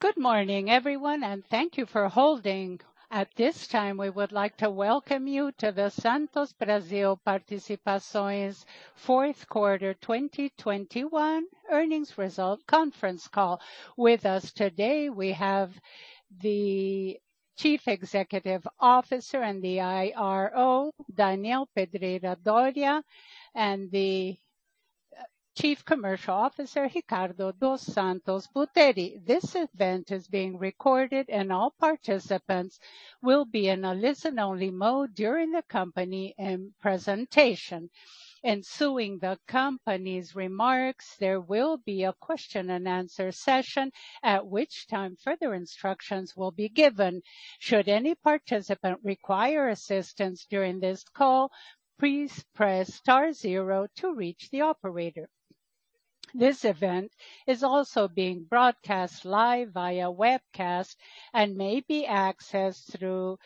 Good morning everyone, and thank you for holding. At this time, we would like to welcome you to the Santos Brasil Participações Fourth Quarter 2021 Earnings Result Conference Call. With us today we have the Chief Executive Officer and the IRO, Daniel Pedreira Dorea, and the Chief Commercial Officer, Ricardo dos Santos Buteri. This event is being recorded and all participants will be in a listen-only mode during the company presentation. Ensuing the company's remarks, there will be a question and answer session, at which time further instructions will be given. Should any participant require assistance during this call, please press star zero to reach the operator. This event is also being broadcast live via webcast and may be accessed through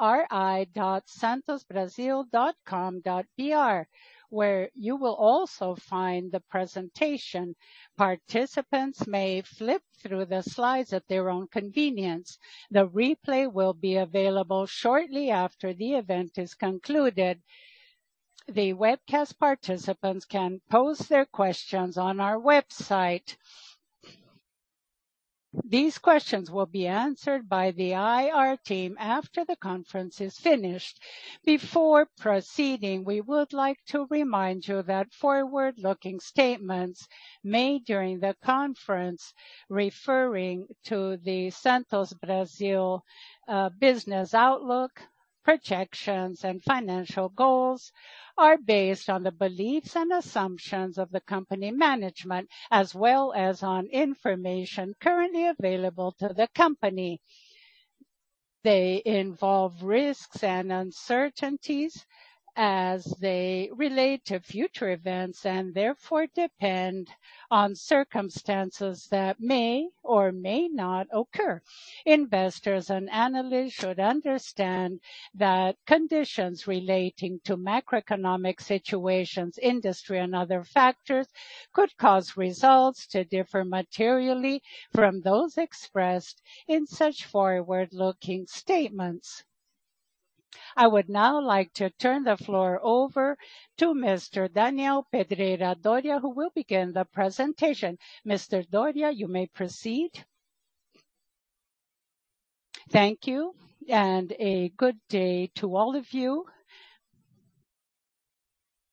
ri.santosbrasil.com.br, where you will also find the presentation. Participants may flip through the slides at their own convenience. The replay will be available shortly after the event is concluded. The webcast participants can pose their questions on our website. These questions will be answered by the IR team after the conference is finished. Before proceeding, we would like to remind you that forward-looking statements made during the conference referring to the Santos Brasil business outlook, projections and financial goals are based on the beliefs and assumptions of the company management as well as on information currently available to the company. They involve risks and uncertainties as they relate to future events and therefore depend on circumstances that may or may not occur. Investors and analysts should understand that conditions relating to macroeconomic situations, industry and other factors could cause results to differ materially from those expressed in such forward-looking statements. I would now like to turn the floor over to Mr. Daniel Pedreira Dorea, who will begin the presentation. Mr. Dorea, you may proceed. Thank you, and a good day to all of you.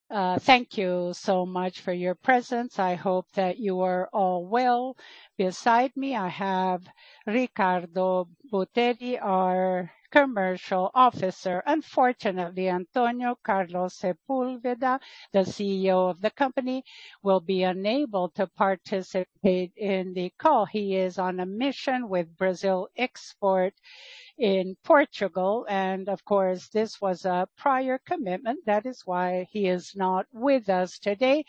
Thank you so much for your presence. I hope that you are all well. Beside me, I have Ricardo Buteri, our Commercial Officer. Unfortunately, Antonio Carlos Duarte Sepúlveda, the CEO of the company, will be unable to participate in the call. He is on a mission with Brazil Export in Portugal, and of course, this was a prior commitment. That is why he is not with us today.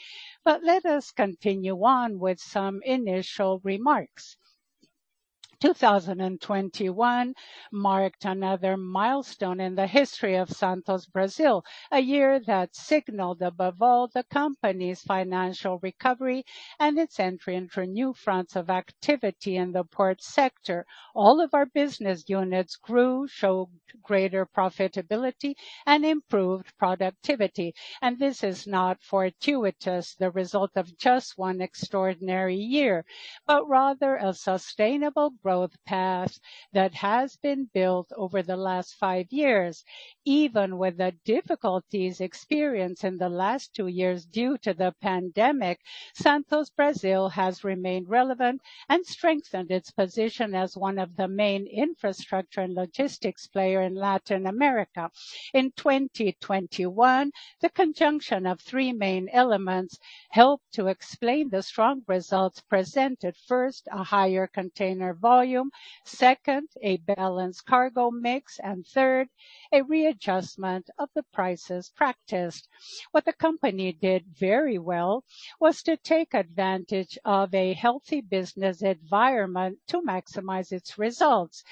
Let us continue on with some initial remarks. 2021 marked another milestone in the history of Santos Brasil, a year that signaled above all the company's financial recovery and its entry into new fronts of activity in the port sector. All of our business units grew, showed greater profitability and improved productivity. This is not fortuitous, the result of just one extraordinary year, but rather a sustainable growth path that has been built over the last five years. Even with the difficulties experienced in the last two years due to the pandemic, Santos Brasil has remained relevant and strengthened its position as one of the main infrastructure and logistics player in Latin America. In 2021, the conjunction of three main elements helped to explain the strong results presented. First, a higher container volume, second, a balanced cargo mix, and third, a readjustment of the prices practiced. What the company did very well was to take advantage of a healthy business environment to maximize its results.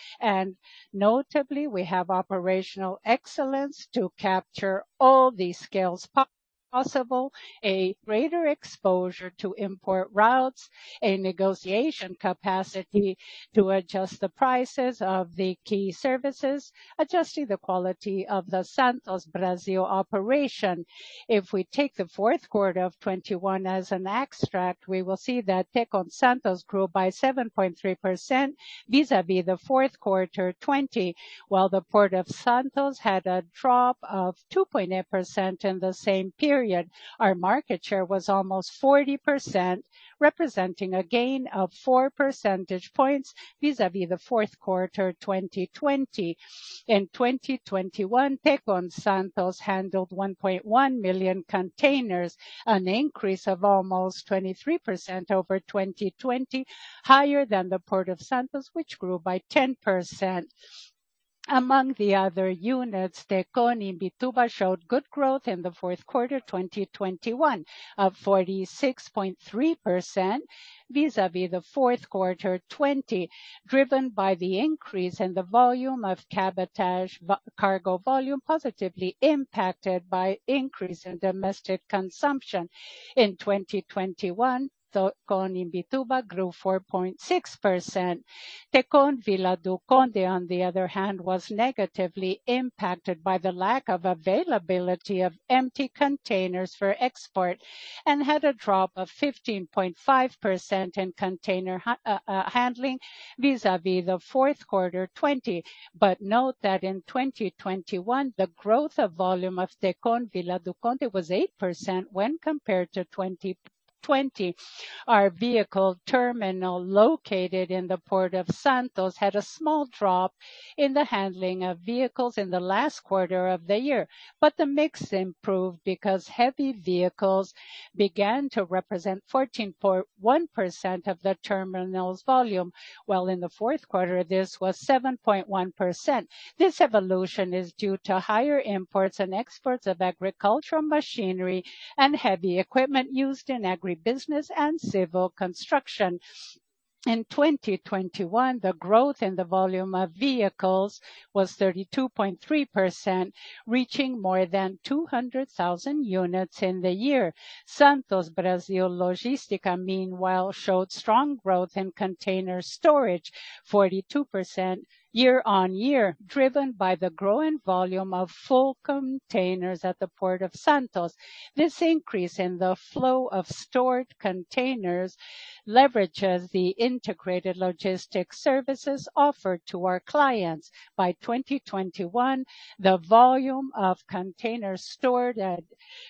Notably, we have operational excellence to capture all these scales possible, a greater exposure to import routes, a negotiation capacity to adjust the prices of the key services, adjusting the quality of the Santos Brasil operation. If we take the fourth quarter of 2021 as an example, we will see that Tecon Santos grew by 7.3% vis-à-vis the fourth quarter 2020, while the Port of Santos had a drop of 2.8% in the same period. Our market share was almost 40%, representing a gain of four percentage points vis-à-vis the fourth quarter 2020. In 2021, Tecon Santos handled 1.1 million containers, an increase of almost 23% over 2020, higher than the Porto de Santos, which grew by 10%. Among the other units, Tecon Imbituba showed good growth in the fourth quarter 2021 of 46.3% vis-à-vis the fourth quarter 2020, driven by the increase in the volume of cabotage vehicle cargo volume positively impacted by increase in domestic consumption. In 2021, Tecon Imbituba grew 4.6%. Tecon Vila do Conde, on the other hand, was negatively impacted by the lack of availability of empty containers for export and had a drop of 15.5% in container handling vis-à-vis the fourth quarter 2020. Note that in 2021, the growth of volume of Tecon Vila do Conde was 8% when compared to 2020. Our vehicle terminal located in the Port of Santos had a small drop in the handling of vehicles in the last quarter of the year. The mix improved because heavy vehicles began to represent 14.1% of the terminal's volume, while in the fourth quarter, this was 7.1%. This evolution is due to higher imports and exports of agricultural machinery and heavy equipment used in agribusiness and civil construction. In 2021, the growth in the volume of vehicles was 32.3%, reaching more than 200,000 units in the year. Santos Brasil Logística, meanwhile, showed strong growth in container storage, 42% year on year, driven by the growing volume of full containers at the Port of Santos. This increase in the flow of stored containers leverages the integrated logistics services offered to our clients. By 2021, the volume of containers stored at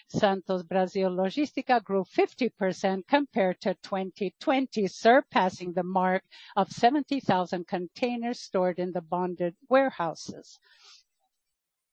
Santos Brasil Logística grew 50% compared to 2020, surpassing the mark of 70,000 containers stored in the bonded warehouses.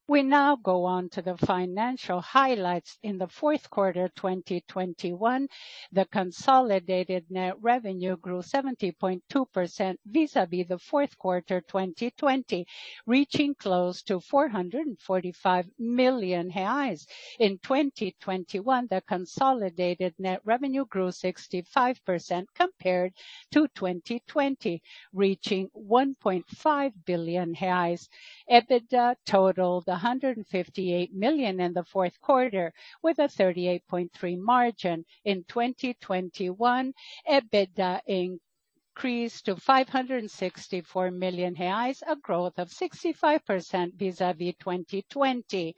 We now go on to the financial highlights. In the fourth quarter 2021, the consolidated net revenue grew 70.2% vis-à-vis the fourth quarter 2020, reaching close to 445 million reais. In 2021, the consolidated net revenue grew 65% compared to 2020, reaching 1.5 billion. EBITDA totaled 158 million in the fourth quarter, with a 38.3% margin. In 2021, EBITDA increased to 564 million reais, a growth of 65% vis-à-vis 2020.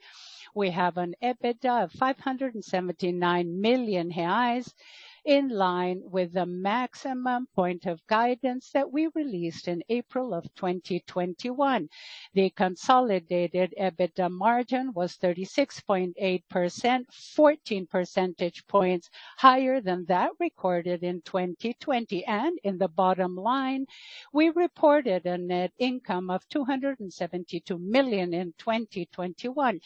We have an EBITDA of 579 million reais, in line with the maximum point of guidance that we released in April of 2021. The consolidated EBITDA margin was 36.8%, 14 percentage points higher than that recorded in 2020. In the bottom line, we reported a net income of 272 million in 2021.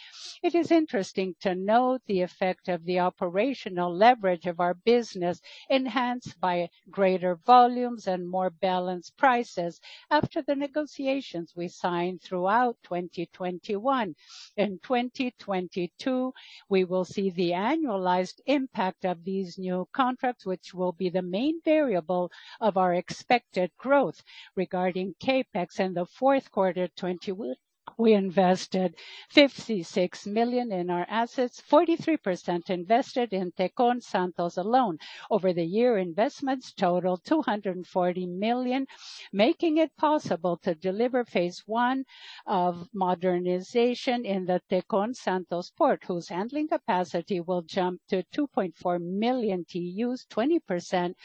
It is interesting to note the effect of the operational leverage of our business, enhanced by greater volumes and more balanced prices after the negotiations we signed throughout 2021. In 2022, we will see the annualized impact of these new contracts, which will be the main variable of our expected growth. Regarding CapEx in the fourth quarter 2021, we invested 56 million in our assets, 43% invested in Tecon Santos alone. Over the year, investments totaled 240 million, making it possible to deliver phase one of modernization in the Tecon Santos Port, whose handling capacity will jump to 2.4 million TEUs, 20%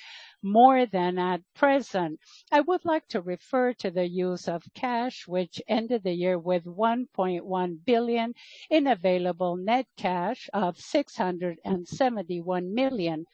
more than at present. I would like to refer to the use of cash, which ended the year with 1.1 billion in available net cash of 671 million.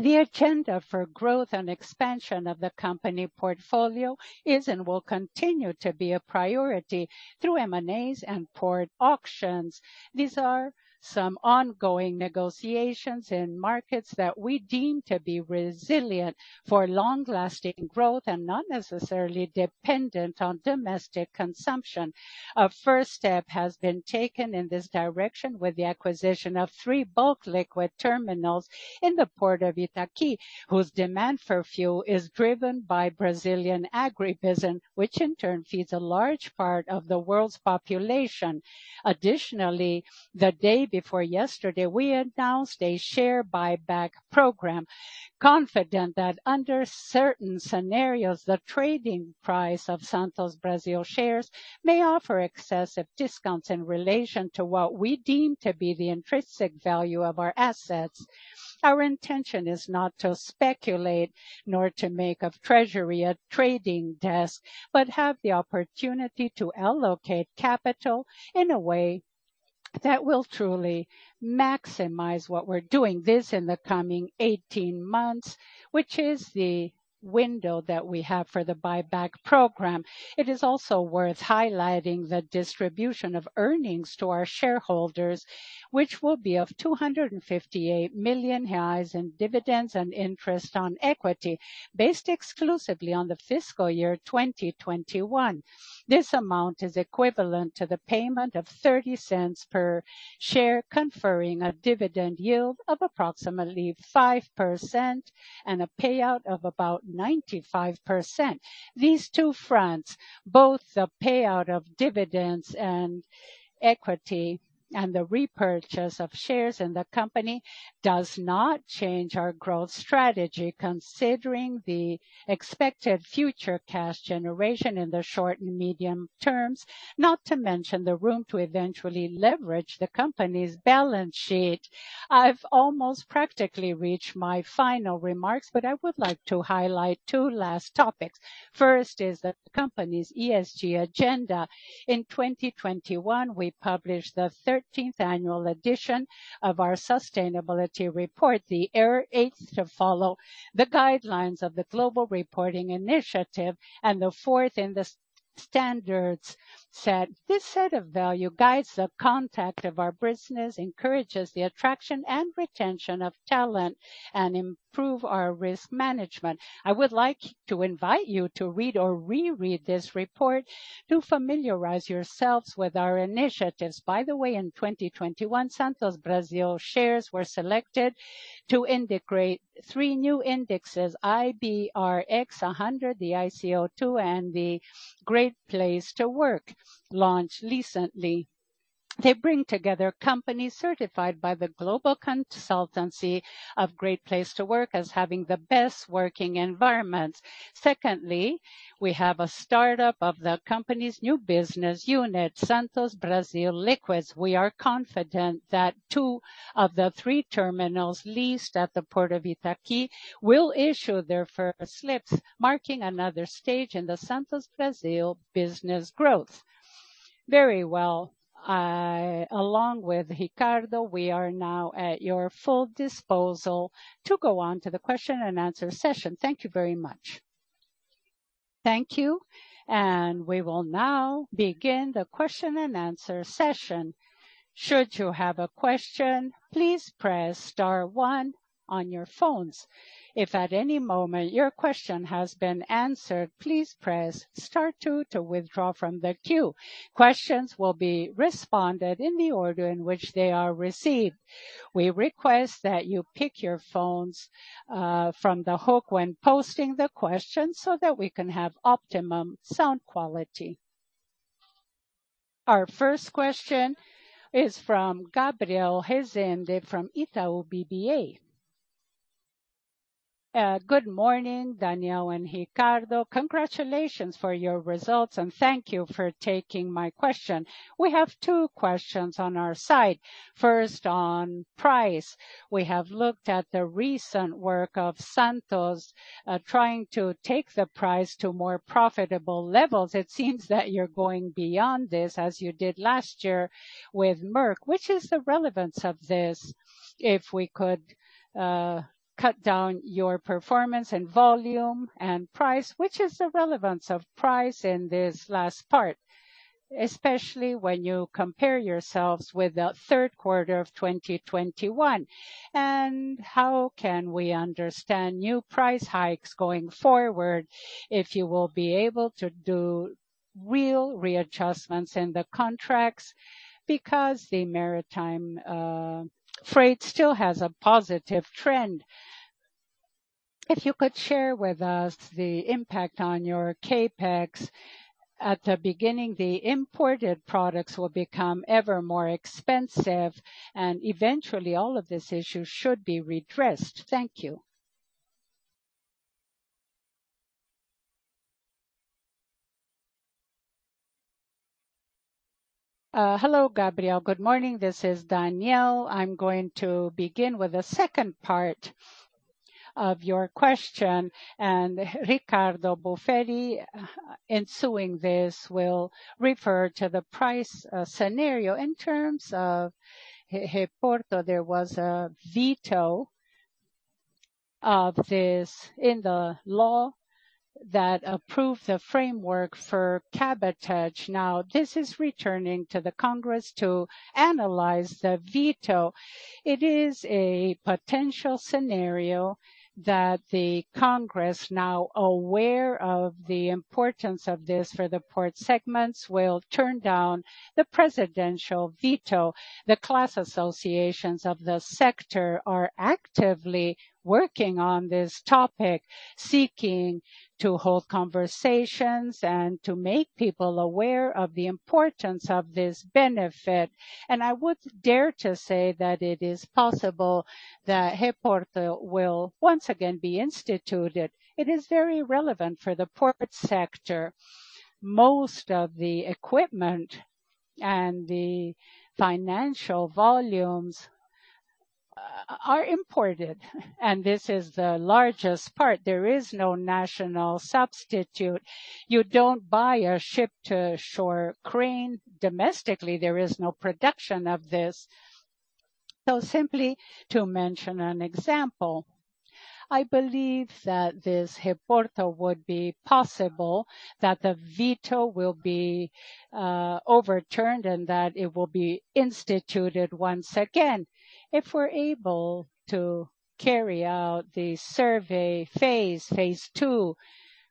The agenda for growth and expansion of the company portfolio is and will continue to be a priority through M&As and port auctions. These are some ongoing negotiations in markets that we deem to be resilient for long-lasting growth and not necessarily dependent on domestic consumption. A first step has been taken in this direction with the acquisition of three bulk liquid terminals in the Port of Itaqui, whose demand for fuel is driven by Brazilian agribusiness, which in turn feeds a large part of the world's population. Additionally, the day before yesterday, we announced a share buyback program, confident that under certain scenarios, the trading price of Santos Brasil shares may offer excessive discounts in relation to what we deem to be the intrinsic value of our assets. Our intention is not to speculate nor to make of treasury a trading desk, but have the opportunity to allocate capital in a way that will truly maximize what we're doing this in the coming 18 months, which is the window that we have for the buyback program. It is also worth highlighting the distribution of earnings to our shareholders, which will be 258 million reais in dividends and interest on equity based exclusively on the fiscal year 2021. This amount is equivalent to the payment of 0.30 per share, conferring a dividend yield of approximately 5% and a payout of about 95%. These two fronts, both the payout of dividends and equity and the repurchase of shares in the company, does not change our growth strategy considering the expected future cash generation in the short and medium terms, not to mention the room to eventually leverage the company's balance sheet. I've almost practically reached my final remarks, but I would like to highlight two last topics. First is the company's ESG agenda. In 2021, we published the thirteenth annual edition of our sustainability report, the eighth to follow the guidelines of the Global Reporting Initiative and the fourth in the GRI Standards set. This set of values guides the conduct of our business, encourages the attraction and retention of talent, and improve our risk management. I would like to invite you to read or reread this report to familiarize yourselves with our initiatives. By the way, in 2021, Santos Brasil shares were selected to integrate three new indexes IBrX 100, the ICO2, and the Great Place to Work launched recently. They bring together companies certified by the global consultancy of Great Place to Work as having the best working environments. Secondly, we have a startup of the company's new business unit, Santos Brasil Liquids. We are confident that two of the three terminals leased at the Port of Itaqui will issue their first slips, marking another stage in the Santos Brasil business growth. Very well. Along with Ricardo, we are now at your full disposal to go on to the question and answer session. Thank you very much. Thank you, and we will now begin the question and answer session. Should you have a question, please press star one on your phones. If at any moment your question has been answered, please press star two to withdraw from the queue. Questions will be responded in the order in which they are received. We request that you pick your phones from the hook when posting the question so that we can have optimum sound quality. Our first question is from Gabriel Rezende from Itaú BBA. Good morning, Daniel and Ricardo. Congratulations for your results, and thank you for taking my question. We have two questions on our side. First, on price. We have looked at the recent work of Santos, trying to take the price to more profitable levels. It seems that you're going beyond this as you did last year with Maersk. What is the relevance of this if we could cut down your performance and volume and price? What is the relevance of price in this last part, especially when you compare yourselves with the third quarter of 2021? How can we understand new price hikes going forward if you will be able to do real readjustments in the contracts because the maritime freight still has a positive trend? If you could share with us the impact on your CapEx. At the beginning, the imported products will become ever more expensive, and eventually all of these issues should be redressed. Thank you. Hello, Gabriel. Good morning. This is Daniel. I'm going to begin with the second part of your question, and Ricardo Buteri, ensuing this, will refer to the price scenario. In terms of Reporto, there was a veto of this in the law that approved the framework for cabotage. Now, this is returning to the Congress to analyze the veto. It is a potential scenario that the Congress, now aware of the importance of this for the port segments, will turn down the presidential veto. The class associations of the sector are actively working on this topic, seeking to hold conversations and to make people aware of the importance of this benefit. I would dare to say that it is possible that Reporto will once again be instituted. It is very relevant for the port sector. Most of the equipment and the financial volumes are imported, and this is the largest part. There is no national substitute. You don't buy a ship-to-shore crane domestically. There is no production of this. Simply to mention an example, I believe that this Reporto would be possible, that the veto will be overturned and that it will be instituted once again. If we're able to carry out the survey phase two,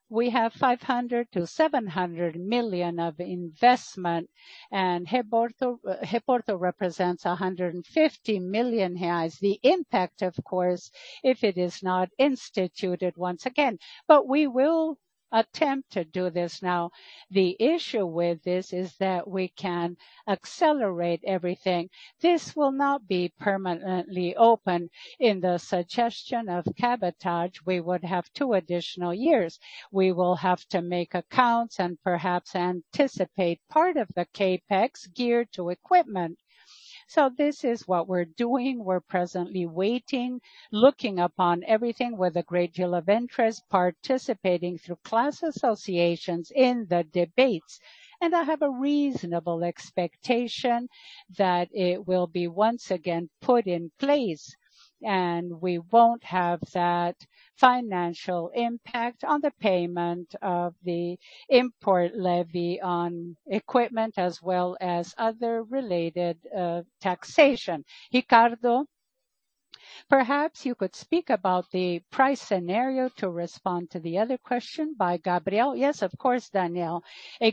we have 500 million-700 million of investment, and Reporto represents 150 million reais. The impact, of course, if it is not instituted once again. We will attempt to do this now. The issue with this is that we can accelerate everything. This will not be permanently open. In the suggestion of cabotage, we would have two additional years. We will have to make accounts and perhaps anticipate part of the CapEx geared to equipment. This is what we're doing. We're presently waiting, looking upon everything with a great deal of interest, participating through class associations in the debates. I have a reasonable expectation that it will be once again put in place, and we won't have that financial impact on the payment of the import levy on equipment as well as other related taxation. Ricardo, perhaps you could speak about the price scenario to respond to the other question by Gabriel. Yes, of course, Daniel.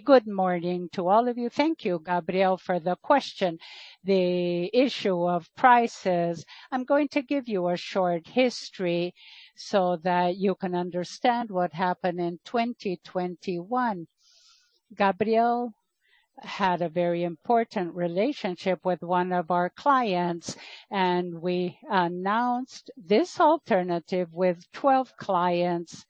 Good morning to all of you. Thank you, Gabriel, for the question. The issue of prices. I'm going to give you a short history so that you can understand what happened in 2021. Gabriel had a very important relationship with one of our clients, and we announced this alternative with 12 clients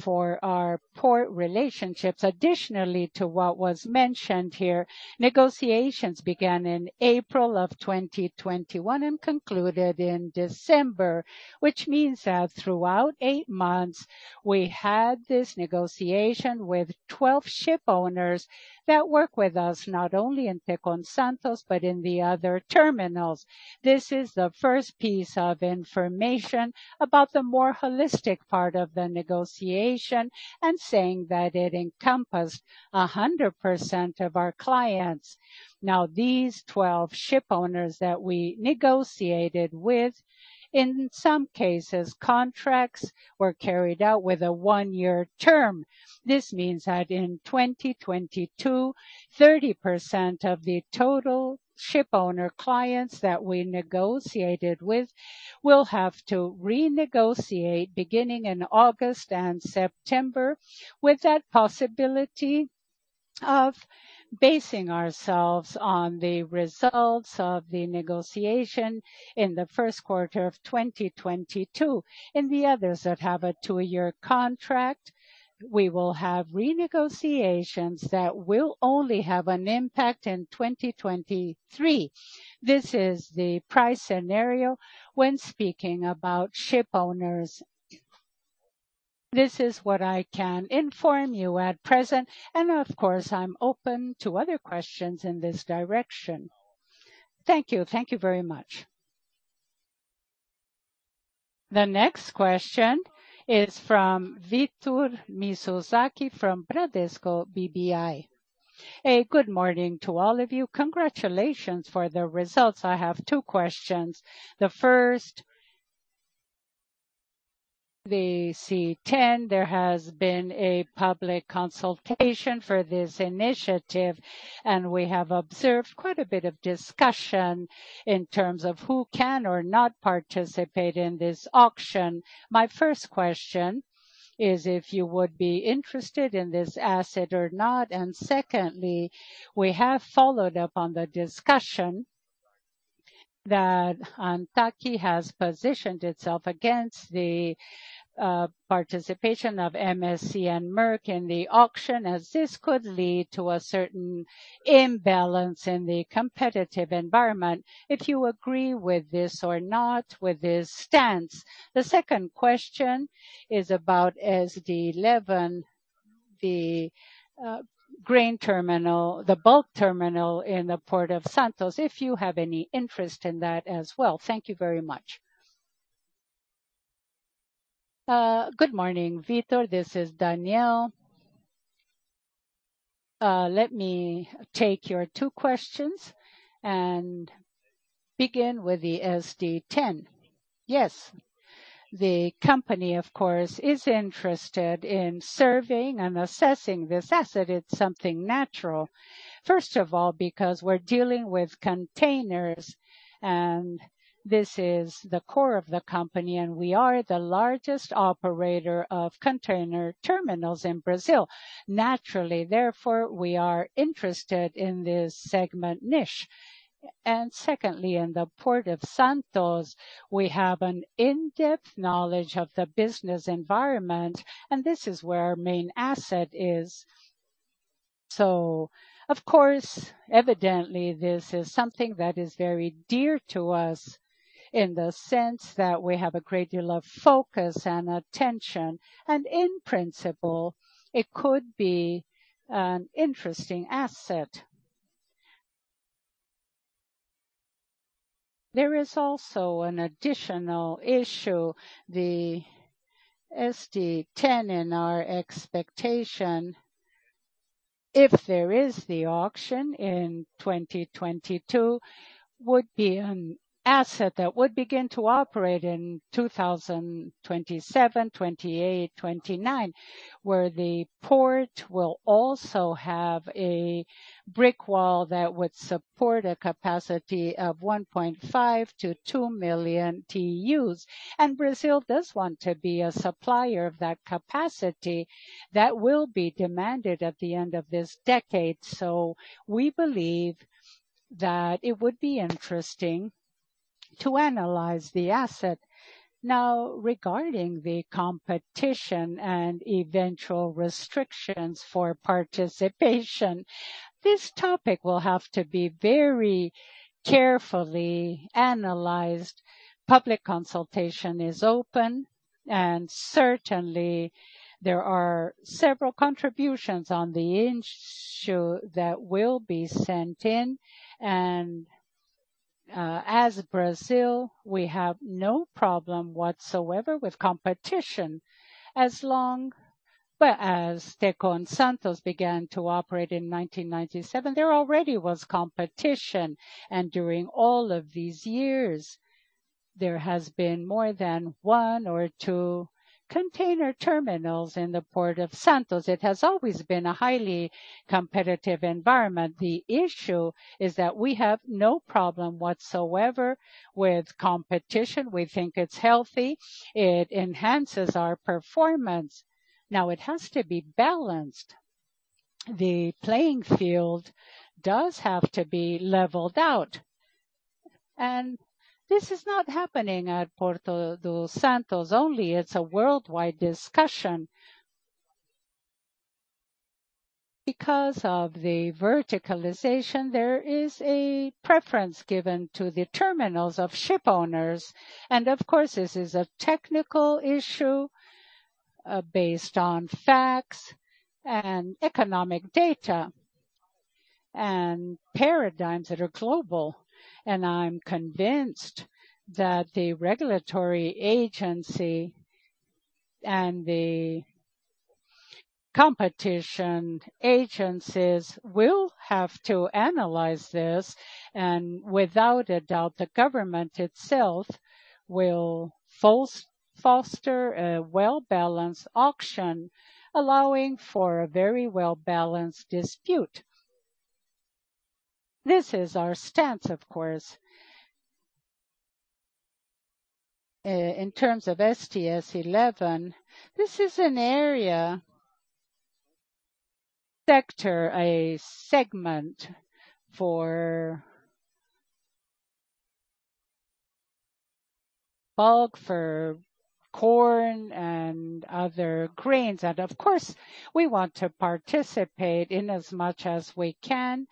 for our port relationships. Additionally to what was mentioned here, negotiations began in April 2021 and concluded in December, which means that throughout eight months, we had this negotiation with 12 ship owners that work with us, not only in Tecon Santos, but in the other terminals. This is the first piece of information about the more holistic part of the negotiation and saying that it encompassed 100% of our clients. Now, these 12 ship owners that we negotiated with, in some cases, contracts were carried out with a one-year term. This means that in 2022, 30% of the total ship owner clients that we negotiated with will have to renegotiate beginning in August and September with that possibility of basing ourselves on the results of the negotiation in the first quarter of 2022. In the others that have a two-year contract, we will have renegotiations that will only have an impact in 2023. This is the price scenario when speaking about ship owners. This is what I can inform you at present, and of course, I'm open to other questions in this direction. Thank you. Thank you very much. The next question is from Victor Mizusaki from Bradesco BBI. Good morning to all of you. Congratulations for the results. I have two questions. The first, the STS 10, there has been a public consultation for this initiative, and we have observed quite a bit of discussion in terms of who can or not participate in this auction. My first question is if you would be interested in this asset or not. Secondly, we have followed up on the discussion that ANTAQ has positioned itself against the participation of MSC and Maersk in the auction, as this could lead to a certain imbalance in the competitive environment. If you agree with this or not, with this stance. The second question is about STS 11, the grain terminal, the bulk terminal in the Port of Santos, if you have any interest in that as well. Thank you very much. Good morning, Vitor. This is Daniel. Let me take your two questions and begin with the STS 10. Yes. The company, of course, is interested in serving and assessing this asset. It's something natural. First of all, because we're dealing with containers, and this is the core of the company, and we are the largest operator of container terminals in Brazil. Naturally, therefore, we are interested in this segment niche. Secondly, in the Porto de Santos, we have an in-depth knowledge of the business environment, and this is where our main asset is. Of course, evidently this is something that is very dear to us in the sense that we have a great deal of focus and attention, and in principle, it could be an interesting asset. There is also an additional issue, the STS 10 in our expectation, if there is the auction in 2022, would be an asset that would begin to operate in 2027, 2028, 2029, where the port will also have a breakwater that would support a capacity of 1.5-2 million TEUs. Brazil does want to be a supplier of that capacity that will be demanded at the end of this decade. We believe that it would be interesting to analyze the asset. Now regarding the competition and eventual restrictions for participation, this topic will have to be very carefully analyzed. Public consultation is open, and certainly there are several contributions on the issue that will be sent in. As Brazil, we have no problem whatsoever with competition. As Tecon Santos began to operate in 1997, there already was competition. During all of these years, there has been more than one or two container terminals in the Porto de Santos. It has always been a highly competitive environment. The issue is that we have no problem whatsoever with competition. We think it's healthy, it enhances our performance. Now it has to be balanced. The playing field does have to be leveled out. This is not happening at Porto de Santos only. It's a worldwide discussion. Because of the verticalization, there is a preference given to the terminals of ship owners, and of course, this is a technical issue, based on facts and economic data and paradigms that are global. I'm convinced that the regulatory agency and the competition agencies will have to analyze this. Without a doubt, the government itself will foster a well-balanced auction allowing for a very well-balanced dispute. This is our stance, of course. In terms of STS 11, this is an area sector, a segment for bulk, for corn and other grains. Of course, we want to participate in as much as we can.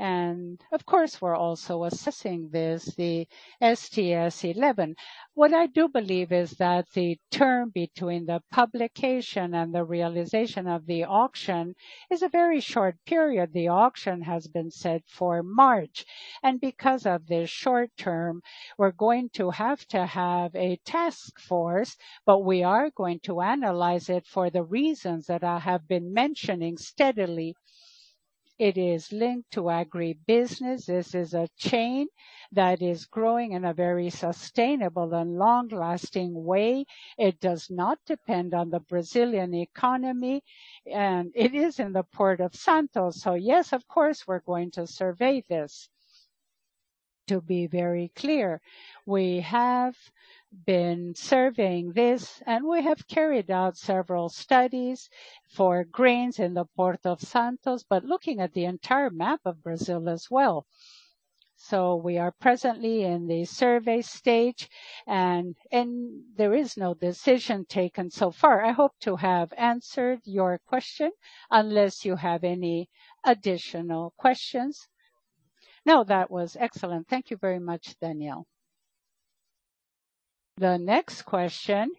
Of course, we're also assessing this, the STS 11. What I do believe is that the term between the publication and the realization of the auction is a very short period. The auction has been set for March, and because of the short term, we're going to have to have a task force. We are going to analyze it for the reasons that I have been mentioning steadily. It is linked to agribusiness. This is a chain that is growing in a very sustainable and long-lasting way. It does not depend on the Brazilian economy, and it is in the Port of Santos. Yes, of course, we're going to survey this. To be very clear, we have been surveying this, and we have carried out several studies for grains in the Port of Santos, but looking at the entire map of Brazil as well. We are presently in the survey stage and there is no decision taken so far. I hope to have answered your question unless you have any additional questions. No, that was excellent. Thank you very much, Daniel. The next question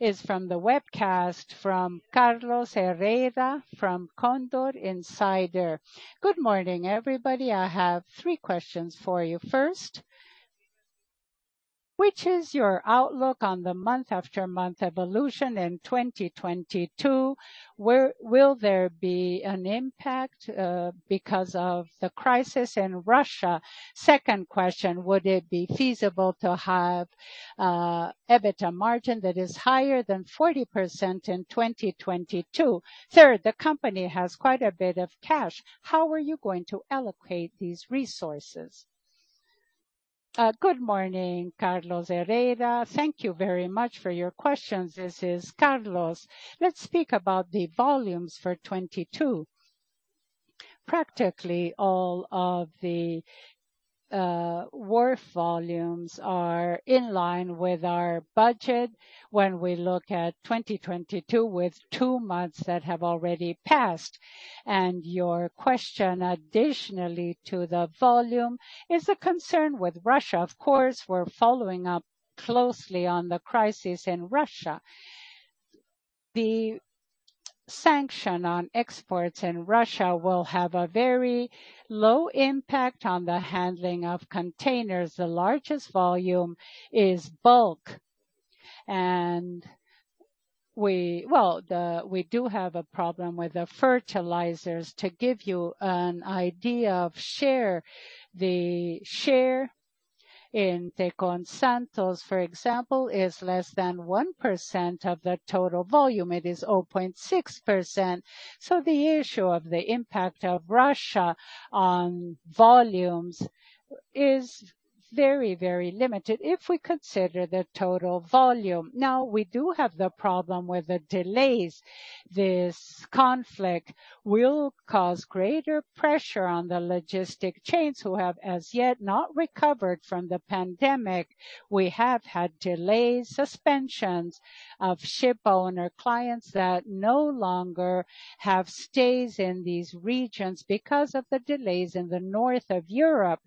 is from the webcast from Carlos Herrera from Condor Insider. Good morning, everybody. I have three questions for you. First, which is your outlook on the month-over-month evolution in 2022? Will there be an impact because of the crisis in Russia? Second question, would it be feasible to have EBITDA margin that is higher than 40% in 2022? Third, the company has quite a bit of cash. How are you going to allocate these resources? Good morning, Carlos Herrera. Thank you very much for your questions. This is Carlos. Let's speak about the volumes for 2022. Practically all of the wharf volumes are in line with our budget when we look at 2022 with two months that have already passed. Your question additionally to the volume is a concern with Russia. Of course, we're following up closely on the crisis in Russia. The sanction on exports in Russia will have a very low impact on the handling of containers. The largest volume is bulk. Well, we do have a problem with the fertilizers. To give you an idea of share, the share in Tecon Santos, for example, is less than 1% of the total volume. It is 0.6%. The issue of the impact of Russia on volumes is very, very limited if we consider the total volume. Now, we do have the problem with the delays. This conflict will cause greater pressure on the logistics chains who have as yet not recovered from the pandemic. We have had delays, suspensions of shipowner clients that no longer have stays in these regions because of the delays in the north of Europe.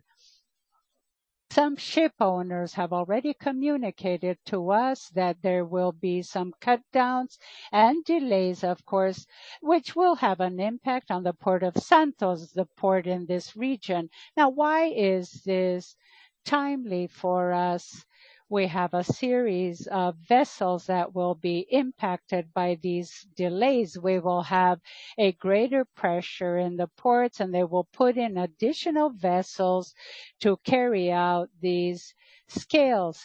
Some shipowners have already communicated to us that there will be some cutdowns and delays, of course, which will have an impact on the Port of Santos, the port in this region. Now, why is this timely for us? We have a series of vessels that will be impacted by these delays. We will have a greater pressure in the ports, and they will put in additional vessels to carry out these scales.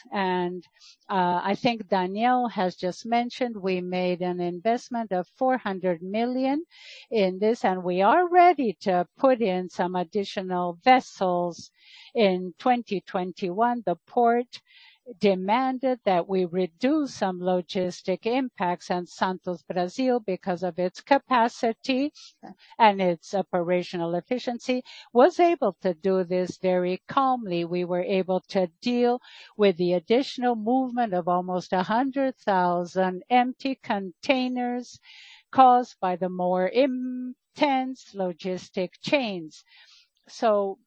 I think Daniel has just mentioned we made an investment of 400 million in this, and we are ready to put in some additional vessels in 2021. The port demanded that we reduce some logistic impacts on Santos, Brazil because of its capacity and its operational efficiency. We were able to do this very calmly. We were able to deal with the additional movement of almost 100,000 empty containers caused by the more intense logistic chains.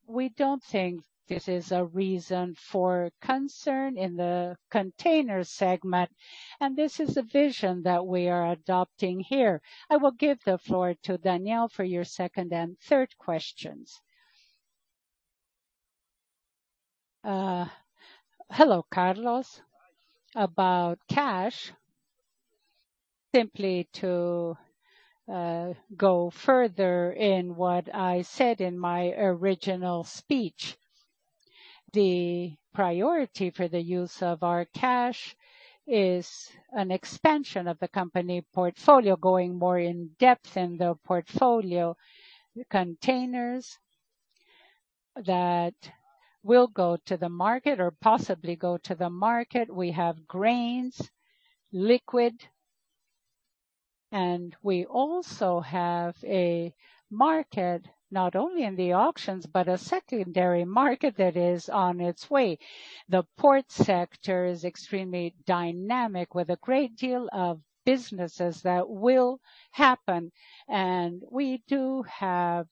We don't think this is a reason for concern in the container segment, and this is a vision that we are adopting here. I will give the floor to Daniel for your second and third questions. Hello, Carlos. About cash, simply to go further in what I said in my original speech. The priority for the use of our cash is an expansion of the company portfolio, going more in depth in the portfolio containers that will go to the market or possibly go to the market. We have grains, liquid, and we also have a market not only in the auctions, but a secondary market that is on its way. The port sector is extremely dynamic with a great deal of businesses that will happen, and we do have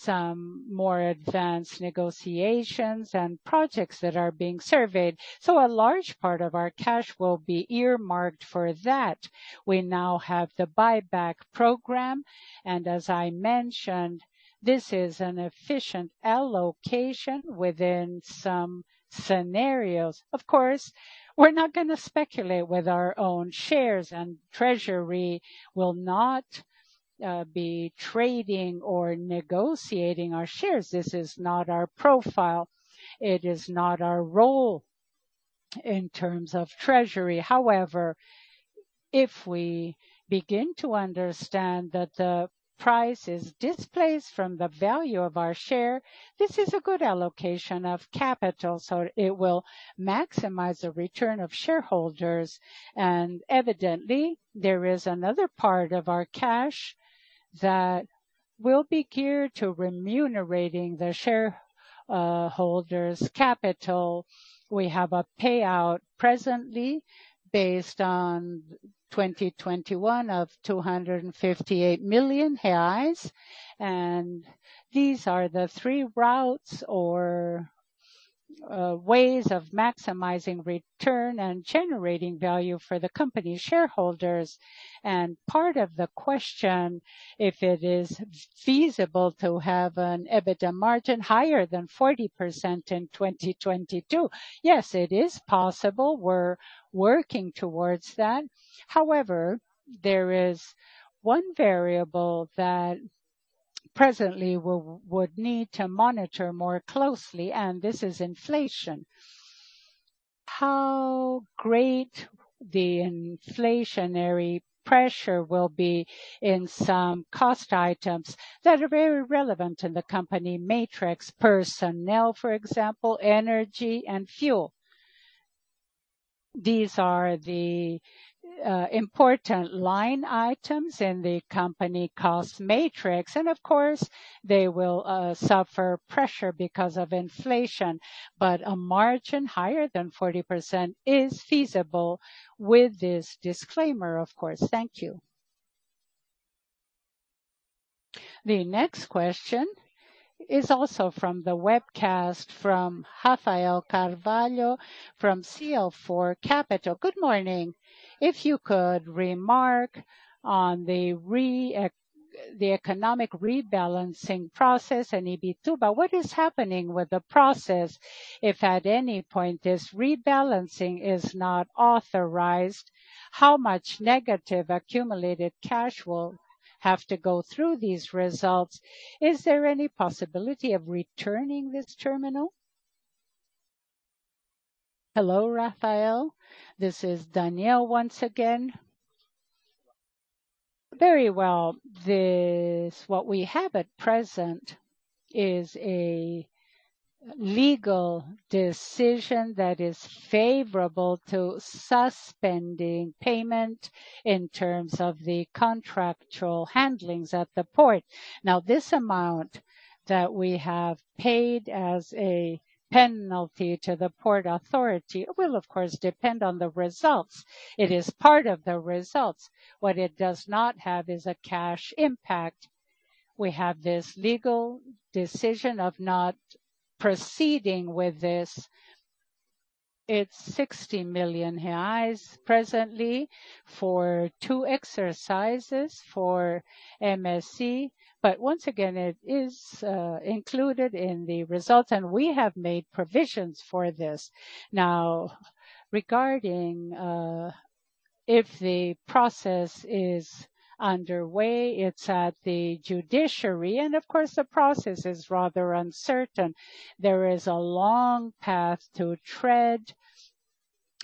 some more advanced negotiations and projects that are being surveyed. A large part of our cash will be earmarked for that. We now have the buyback program, and as I mentioned, this is an efficient allocation within some scenarios. Of course, we're not gonna speculate with our own shares, and treasury will not be trading or negotiating our shares. This is not our profile. It is not our role in terms of treasury. However, if we begin to understand that the price is displaced from the value of our share, this is a good allocation of capital, so it will maximize the return of shareholders. Evidently, there is another part of our cash that will be geared to remunerating the shareholders' capital. We have a payout presently based on 2021 of 258 million reais, and these are the three routes or ways of maximizing return and generating value for the company shareholders. Part of the question, if it is feasible to have an EBITDA margin higher than 40% in 2022? Yes, it is possible. We're working towards that. However, there is one variable that presently would need to monitor more closely, and this is inflation. How great the inflationary pressure will be in some cost items that are very relevant in the company matrix, personnel, for example, energy and fuel. These are the important line items in the company cost matrix. Of course, they will suffer pressure because of inflation. A margin higher than 40% is feasible with this disclaimer, of course. Thank you. The next question is also from the webcast from Rafael Carvalho from CL4 Capital. Good morning. If you could remark on the economic rebalancing process in Imbituba, what is happening with the process? If at any point this rebalancing is not authorized, how much negative accumulated cash will have to go through these results? Is there any possibility of returning this terminal? Hello, Rafael. This is Daniel once again. Very well. What we have at present is a legal decision that is favorable to suspending payment in terms of the contractual handlings at the port. Now, this amount that we have paid as a penalty to the Port Authority will of course depend on the results. It is part of the results. What it does not have is a cash impact. We have this legal decision of not proceeding with this. It's 60 million reais presently for two exercises for MSC. Once again, it is included in the results, and we have made provisions for this. Now, regarding if the process is underway, it's at the judiciary, and of course, the process is rather uncertain. There is a long path to tread.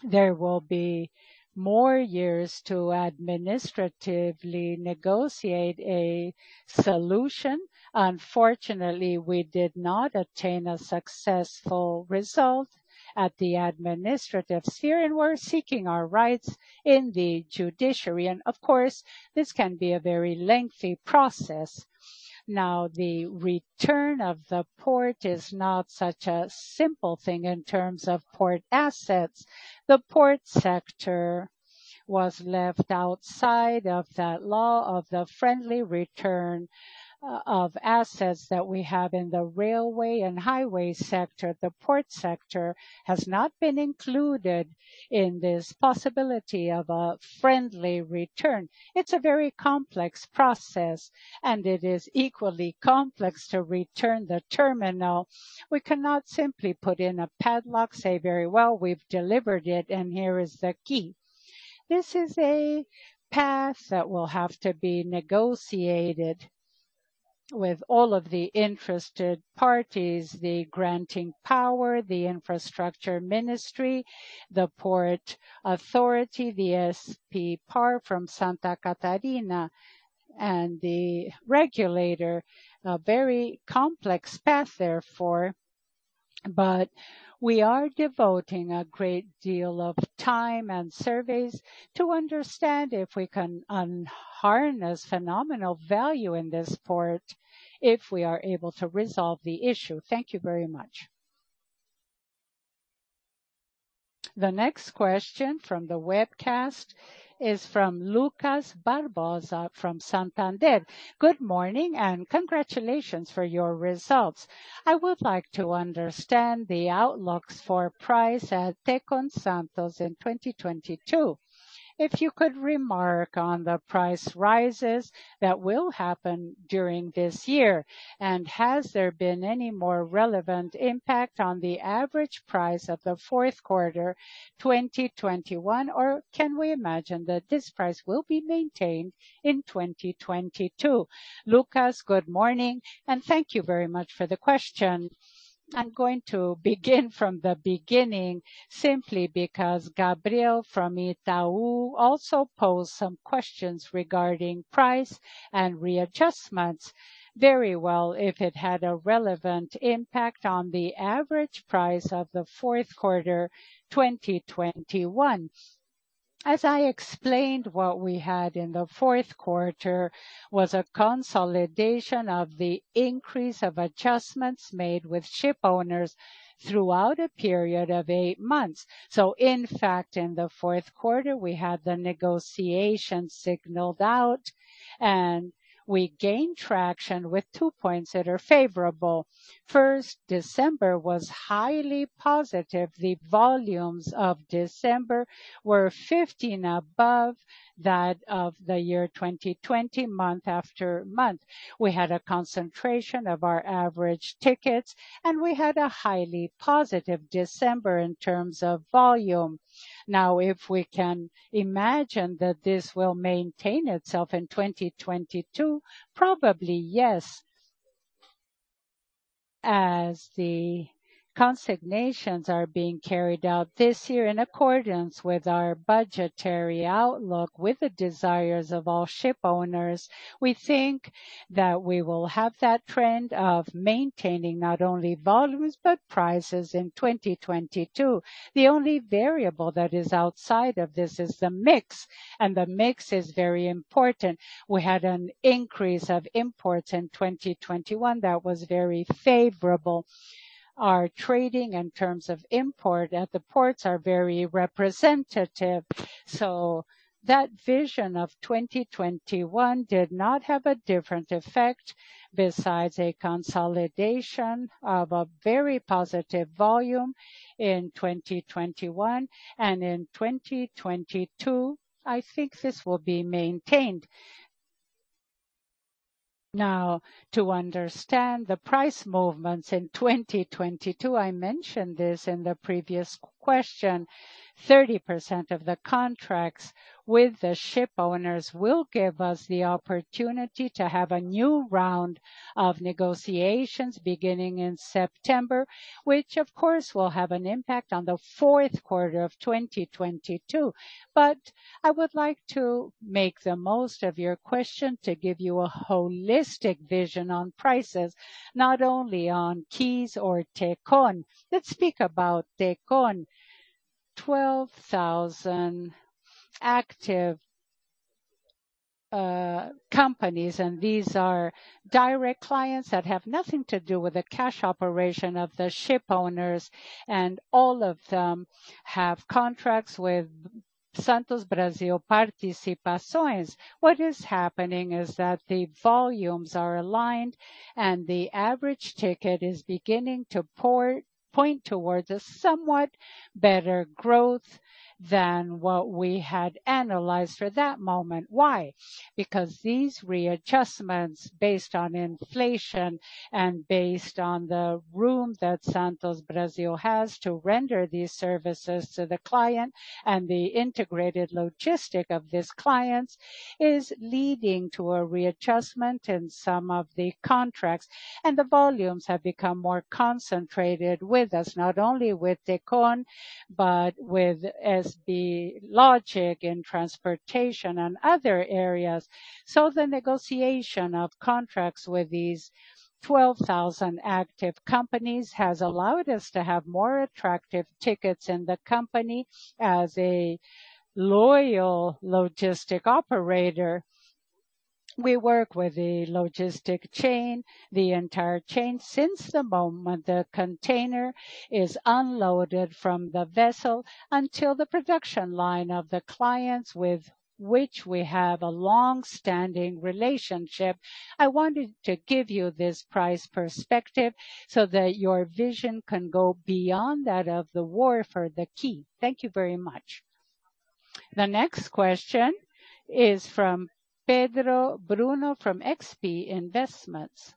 There will be more years to administratively negotiate a solution. Unfortunately, we did not obtain a successful result at the administrative sphere, and we're seeking our rights in the judiciary. Of course, this can be a very lengthy process. Now, the return of the port is not such a simple thing in terms of port assets. The port sector was left outside of that law of the friendly return of assets that we have in the railway and highway sector. The port sector has not been included in this possibility of a friendly return. It's a very complex process, and it is equally complex to return the terminal. We cannot simply put in a padlock, say, "Very well, we've delivered it, and here is the key." This is a path that will have to be negotiated with all of the interested parties, the granting power, the Infrastructure Ministry, the Port Authority, the SCPar from Santa Catarina, and the regulator. A very complex path, therefore. We are devoting a great deal of time and surveys to understand if we can harness phenomenal value in this port if we are able to resolve the issue. Thank you very much. The next question from the webcast is from Lucas Barbosa from Santander. Good morning and congratulations for your results. I would like to understand the outlooks for price at Tecon Santos in 2022. If you could remark on the price rises that will happen during this year. Has there been any more relevant impact on the average price of the fourth quarter, 2021, or can we imagine that this price will be maintained in 2022? Lucas, good morning, and thank you very much for the question. I'm going to begin from the beginning simply because Gabriel from Itaú also posed some questions regarding price and readjustments. Very well, it had a relevant impact on the average price of the fourth quarter, 2021. As I explained, what we had in the fourth quarter was a consolidation of the increase of adjustments made with ship owners throughout a period of eight months. In fact, in the fourth quarter, we had the negotiation signaled out, and we gained traction with two points that are favorable. First, December was highly positive. The volumes of December were 15 above that of the year 2020, month after month. We had a concentration of our average tickets, and we had a highly positive December in terms of volume. Now, if we can imagine that this will maintain itself in 2022, probably yes. As the concessions are being carried out this year in accordance with our budgetary outlook, with the desires of all ship owners, we think that we will have that trend of maintaining not only volumes, but prices in 2022. The only variable that is outside of this is the mix, and the mix is very important. We had an increase of imports in 2021 that was very favorable. Our trading in terms of import at the ports are very representative. That vision of 2021 did not have a different effect besides a consolidation of a very positive volume in 2021. In 2022, I think this will be maintained. Now, to understand the price movements in 2022, I mentioned this in the previous question. 30% of the contracts with the ship owners will give us the opportunity to have a new round of negotiations beginning in September, which of course, will have an impact on the fourth quarter of 2022. I would like to make the most of your question to give you a holistic vision on prices, not only on quays or Tecon. Let's speak about Tecon. 12,000 active companies, and these are direct clients that have nothing to do with the cash operation of the ship owners, and all of them have contracts with Santos Brasil Participações. What is happening is that the volumes are aligned and the average ticket is beginning to point towards a somewhat better growth than what we had analyzed for that moment. Why? Because these readjustments based on inflation and based on the room that Santos Brasil has to render these services to the client and the integrated logistics of these clients is leading to a readjustment in some of the contracts. The volumes have become more concentrated with us, not only with Tecon, but with Santos Brasil Logística in transportation and other areas. The negotiation of contracts with these 12,000 active companies has allowed us to have more attractive tickets in the company. As a loyal logistic operator, we work with the logistic chain, the entire chain, since the moment the container is unloaded from the vessel until the production line of the clients with which we have a long-standing relationship. I wanted to give you this price perspective so that your vision can go beyond that of the war for the key. Thank you very much. The next question is from Pedro Bruno from XP Investimentos.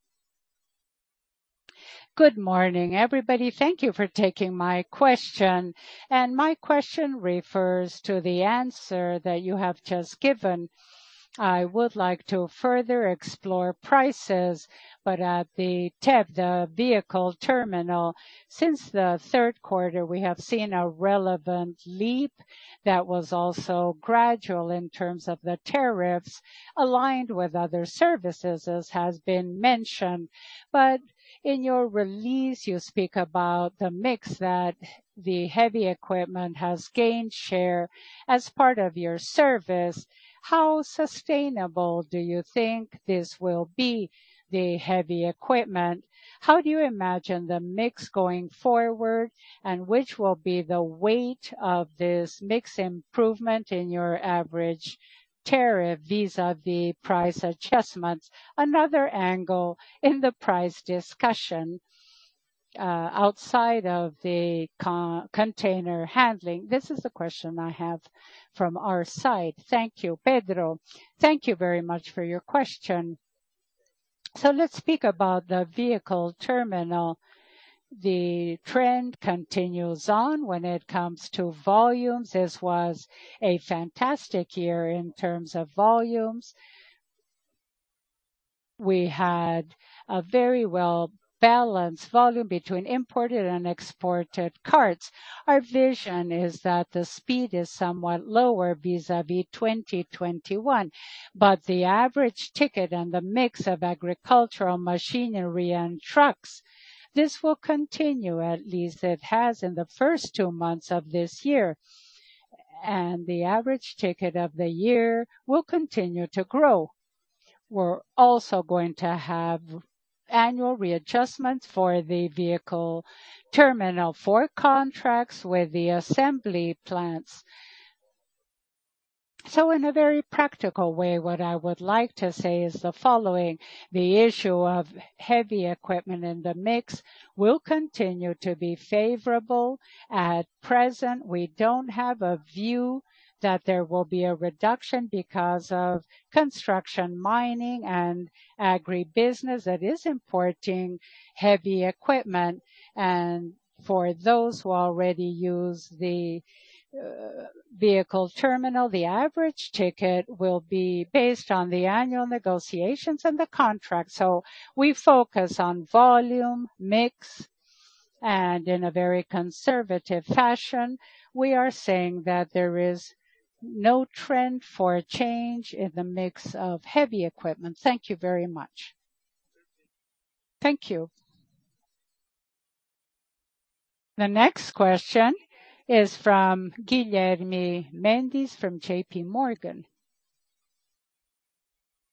Good morning, everybody. Thank you for taking my question. My question refers to the answer that you have just given. I would like to further explore prices, but at the vehicle terminal. Since the third quarter, we have seen a relevant leap that was also gradual in terms of the tariffs aligned with other services, as has been mentioned. In your release, you speak about the mix that the heavy equipment has gained share as part of your service. How sustainable do you think this will be, the heavy equipment? How do you imagine the mix going forward, and which will be the weight of this mix improvement in your average tariff vis-à-vis price adjustments? Another angle in the price discussion, outside of the container handling. This is the question I have from our side. Thank you. Pedro, thank you very much for your question. Let's speak about the vehicle terminal. The trend continues on when it comes to volumes. This was a fantastic year in terms of volumes. We had a very well-balanced volume between imported and exported cars. Our vision is that the speed is somewhat lower vis-à-vis 2021, but the average ticket and the mix of agricultural machinery and trucks, this will continue, at least it has in the first two months of this year. The average ticket of the year will continue to grow. We're also going to have annual readjustments for the vehicle terminal for contracts with the assembly plants. In a very practical way, what I would like to say is the following: The issue of heavy equipment in the mix will continue to be favorable. At present, we don't have a view that there will be a reduction because of construction mining and agribusiness that is importing heavy equipment. For those who already use the vehicle terminal, the average ticket will be based on the annual negotiations and the contract. We focus on volume, mix. In a very conservative fashion, we are saying that there is no trend for a change in the mix of heavy equipment. Thank you very much. Thank you. The next question is from Guilherme Mendes from JPMorgan.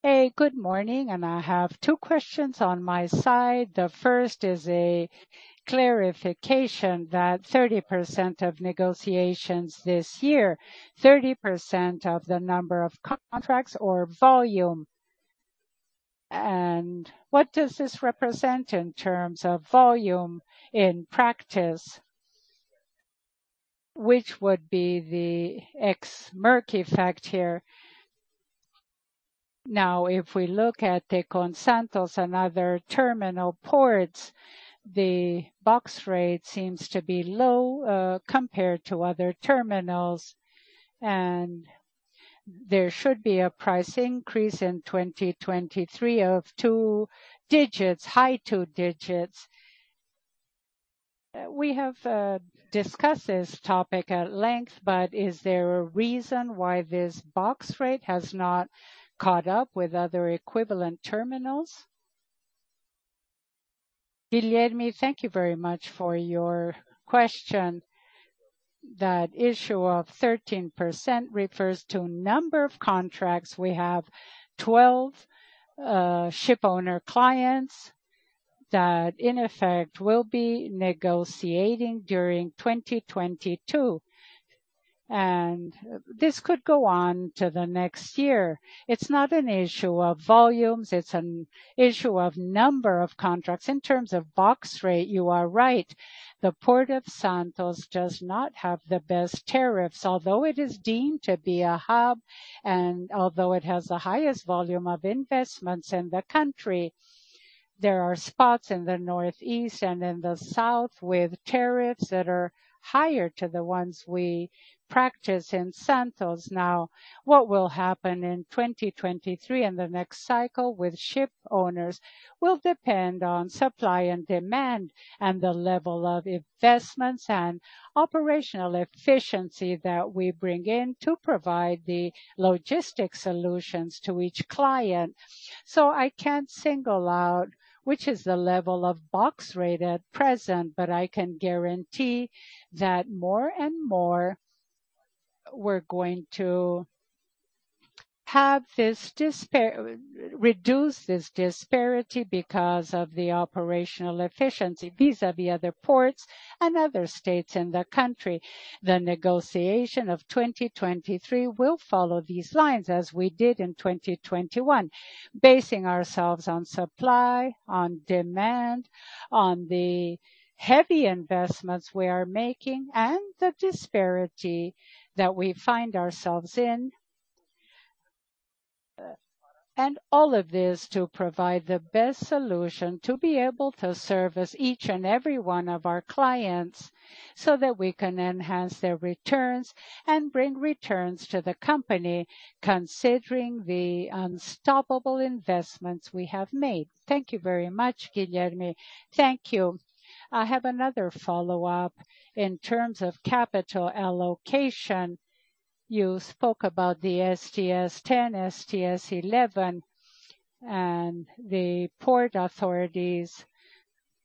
Hey, good morning, I have two questions on my side. The first is a clarification that 30% of negotiations this year, 30% of the number of contracts or volume. What does this represent in terms of volume in practice, which would be the ex-Maersk effect here. Now, if we look at the Tecon Santos and other terminal ports, the box rate seems to be low compared to other terminals, and there should be a price increase in 2023 of two digits, high two digits. We have discussed this topic at length, but is there a reason why this box rate has not caught up with other equivalent terminals? Guilherme, thank you very much for your question. That issue of 13% refers to number of contracts. We have 12 ship owner clients that in effect will be negotiating during 2022, and this could go on to the next year. It's not an issue of volumes, it's an issue of number of contracts. In terms of box rate, you are right. The Port of Santos does not have the best tariffs. Although it is deemed to be a hub, and although it has the highest volume of investments in the country, there are spots in the northeast and in the south with tariffs that are higher than the ones we practice in Santos. Now, what will happen in 2023 and the next cycle with ship owners will depend on supply and demand and the level of investments and operational efficiency that we bring in to provide the logistic solutions to each client. I can't single out which is the level of box rate at present, but I can guarantee that more and more we're going to reduce this disparity because of the operational efficiency vis-à-vis other ports and other states in the country. The negotiation of 2023 will follow these lines as we did in 2021, basing ourselves on supply, on demand, on the heavy investments we are making and the disparity that we find ourselves in. All of this to provide the best solution to be able to service each and every one of our clients, so that we can enhance their returns and bring returns to the company considering the unstoppable investments we have made. Thank you very much, Guilherme. Thank you. I have another follow-up. In terms of capital allocation, you spoke about the STS 10, STS 11 and the port authorities.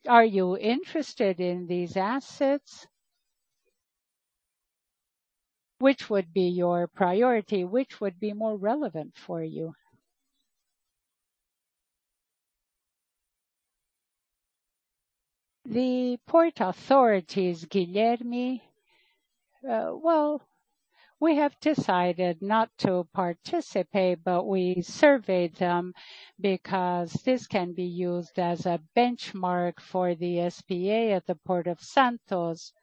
Are you interested in these assets? Which would be your priority? Which would be more relevant for you? The port authorities, Guilherme, well, we have decided not to participate, but we surveyed them because this can be used as a benchmark for the SPA at the Port of Santos.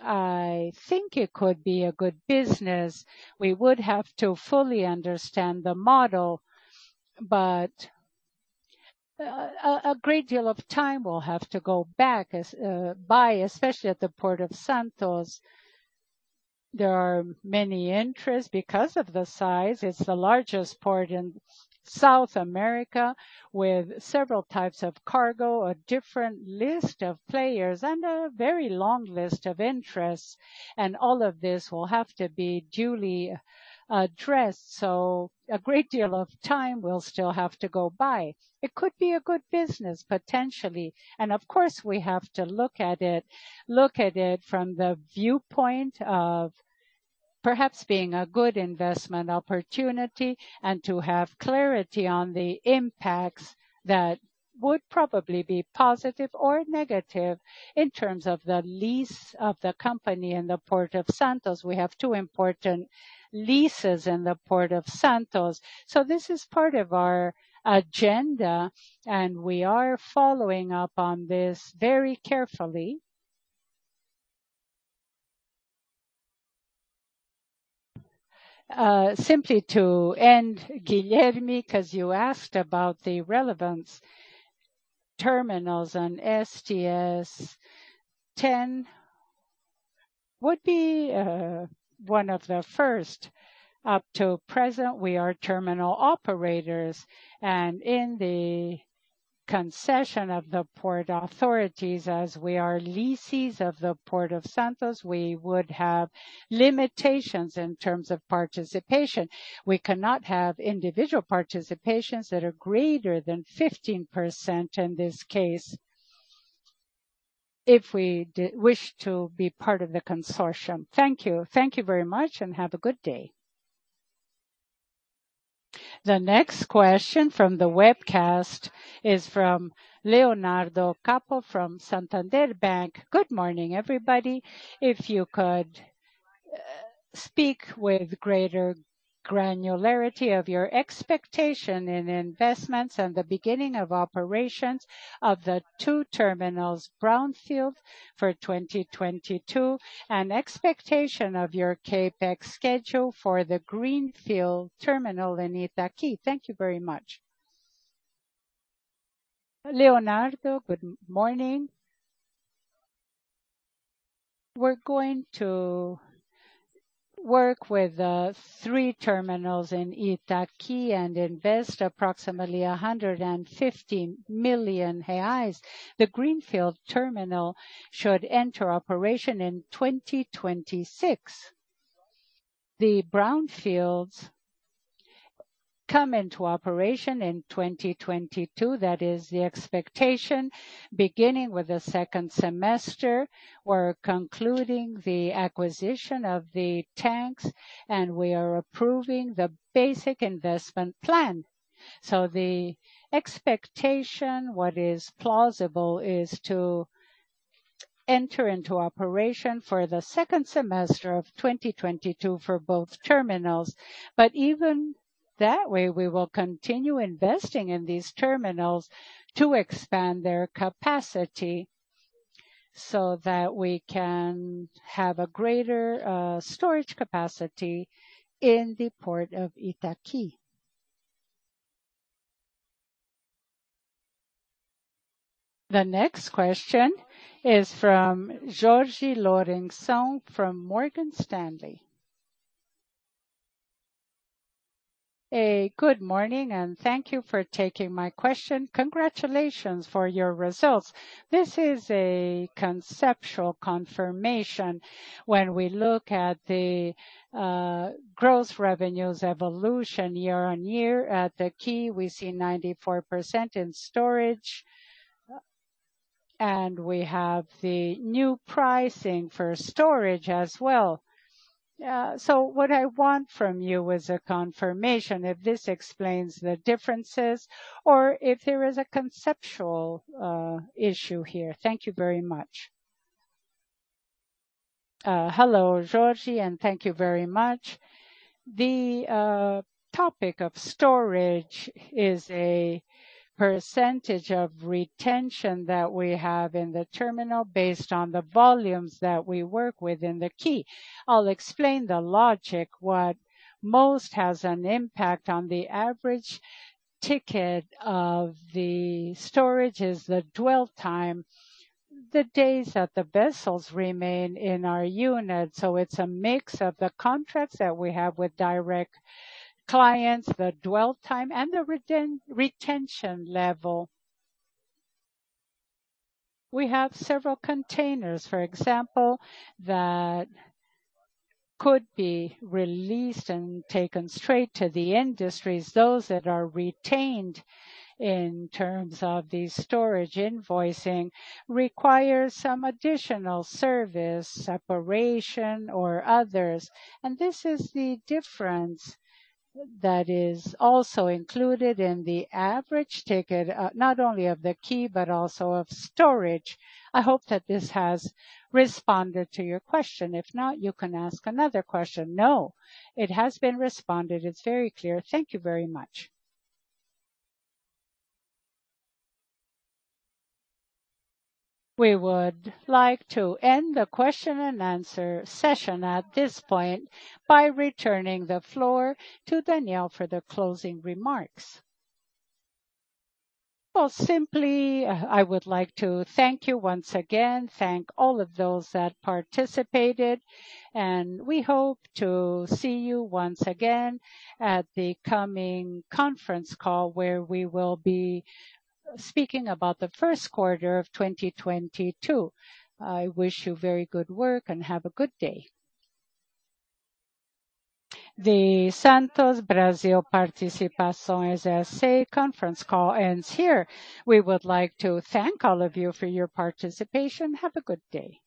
I think it could be a good business. We would have to fully understand the model, but a great deal of time will have to go by, especially at the Porto de Santos. There are many interests because of the size. It's the largest port in South America with several types of cargo, a different list of players and a very long list of interests. All of this will have to be duly addressed, so a great deal of time will still have to go by. It could be a good business potentially, and of course, we have to look at it from the viewpoint of perhaps being a good investment opportunity and to have clarity on the impacts that would probably be positive or negative in terms of the leases of the company in the Porto de Santos. We have two important leases in the Porto de Santos. This is part of our agenda, and we are following up on this very carefully. Simply to end, Guilherme, 'cause you asked about the relevant terminals on STS 10 would be one of the first. Up to present, we are terminal operators, and in the concession of the port authorities, as we are lessees of the Port of Santos, we would have limitations in terms of participation. We cannot have individual participations that are greater than 15% in this case, if we wish to be part of the consortium. Thank you. Thank you very much, and have a good day. The next question from the webcast is from Leonardo Catto from Santander. Good morning, everybody. If you could speak with greater granularity of your expectation in investments and the beginning of operations of the two terminals, brownfield for 2022, and expectation of your CapEx schedule for the greenfield terminal in Itaqui? Thank you very much. Leonardo, good morning. We're going to work with three terminals in Itaqui and invest approximately 150 million reais. The greenfield terminal should enter operation in 2026. The brownfields come into operation in 2022. That is the expectation. Beginning with the second semester, we're concluding the acquisition of the tanks, and we are approving the basic investment plan. The expectation, what is plausible, is to enter into operation for the second semester of 2022 for both terminals. Even that way, we will continue investing in these terminals to expand their capacity so that we can have a greater storage capacity in the Port of Itaqui. The next question is from Jens Spiess from Morgan Stanley. Good morning, and thank you for taking my question. Congratulations for your results. This is a conceptual confirmation. When we look at the gross revenues evolution year-on-year at Itaqui, we see 94% in storage, and we have the new pricing for storage as well. What I want from you is a confirmation if this explains the differences or if there is a conceptual issue here. Thank you very much. Hello, Jens, and thank you very much. The topic of storage is a percentage of retention that we have in the terminal based on the volumes that we work with in the quay. I'll explain the logic. What most has an impact on the average ticket of the storage is the dwell time, the days that the vessels remain in our unit. It's a mix of the contracts that we have with direct clients, the dwell time, and the detention level. We have several containers, for example, that could be released and taken straight to the industries. Those that are retained in terms of the storage invoicing require some additional service, separation or others. This is the difference that is also included in the average ticket, not only of the quay but also of storage. I hope that this has responded to your question. If not, you can ask another question. No, it has been responded. It's very clear. Thank you very much. We would like to end the question-and-answer session at this point by returning the floor to Daniel for the closing remarks. Well, simply, I would like to thank you once again, thank all of those that participated, and we hope to see you once again at the coming conference call, where we will be speaking about the first quarter of 2022. I wish you very good work and have a good day. The Santos Brasil Participações S.A. conference call ends here. We would like to thank all of you for your participation. Have a good day.